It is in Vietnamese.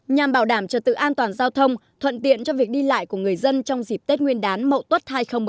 nhằm bảo đảm cho tự an toàn giao thông thuận tiện cho việc đi lại của người dân trong dịp tết nguyên đán mộ tốt hai nghìn một mươi tám